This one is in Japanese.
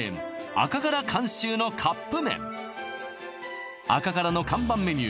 赤から監修のカップ麺赤からの看板メニュー